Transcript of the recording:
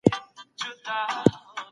په دغي برخي کي يوازي يو سړی دی.